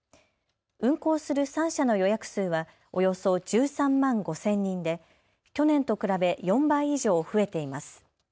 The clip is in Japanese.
運航する３社の予約数はおよそ１３万５０００人で去年と比べ４倍以上増えています。